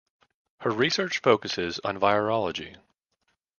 Her research focuses on virology.